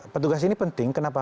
petugas ini penting kenapa